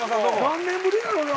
何年ぶりやろな。